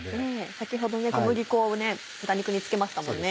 先ほど小麦粉を豚肉に付けましたもんね。